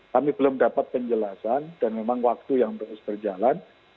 kami belum dapat penjelasan dan memang waktu yang terus berjalan